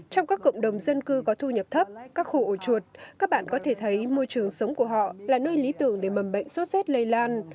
trong các cộng đồng dân cư có thu nhập thấp các khu ổ chuột các bạn có thể thấy môi trường sống của họ là nơi lý tưởng để mầm bệnh sốt rét lây lan